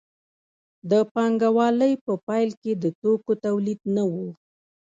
د پانګوالۍ په پیل کې د توکو تولید نه و.